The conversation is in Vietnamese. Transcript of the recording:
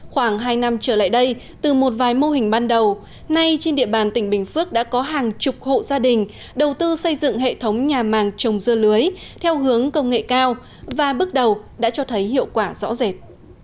khoảng hai năm trở lại đây từ một vài mô hình ban đầu nay trên địa bàn tỉnh bình phước đã có hàng chục hộ gia đình đầu tư xây dựng hệ thống nhà màng trồng dưa lưới theo hướng công nghệ cao và bước đầu đã cho thấy hiệu quả rõ rệt